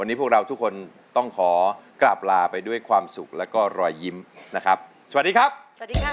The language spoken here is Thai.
วันนี้พวกเราทุกคนต้องขอกราบลาไปด้วยความสุขแล้วก็รอยยิ้มนะครับสวัสดีครับสวัสดีครับ